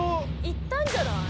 「いったんじゃない？」